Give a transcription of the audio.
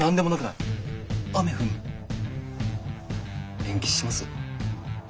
延期します？